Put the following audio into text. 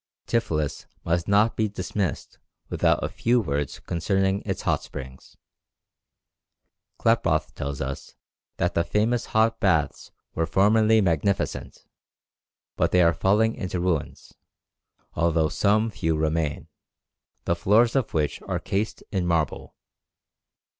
Tiflis must not be dismissed without a few words concerning its hot springs. Klaproth tells us that the famous hot baths were formerly magnificent, but they are falling into ruins, although some few remain; the floors of which are cased in marble.